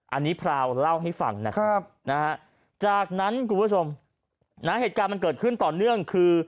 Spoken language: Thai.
อันนี้พราวเล่าให้ฟังนะครับจากนั้นคุณผู้ชมนะเหตุการณ์มันเกิดขึ้นต่อเนื่องคือ